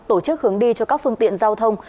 tổ chức hướng đi cho các phương tiện giao thông